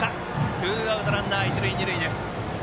ツーアウト、ランナー一塁二塁です。